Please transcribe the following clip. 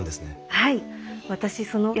はい。